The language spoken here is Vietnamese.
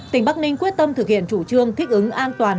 tỉnh bắc ninh quyết tâm thực hiện chủ trương thích ứng an toàn